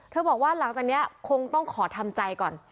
บอกว่าหลังจากนี้คงต้องขอทำใจก่อน